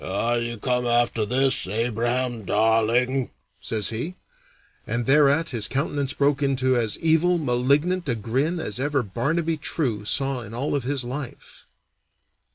"Are you come after this, Abraham Dawling?" says he, and thereat his countenance broke into as evil, malignant a grin as ever Barnaby True saw in all of his life.